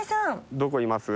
どこいます？